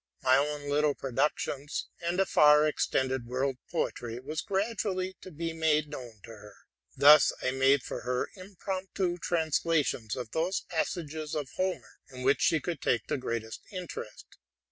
My own little productions, and a far ex tended world poetry, was gradually to be made known to her. Thus I made for her impromptu translations of those pas sages of Homer in which she could take the greatest interest.